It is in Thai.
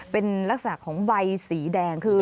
เป็นลักษณะของใบสีแดงคือ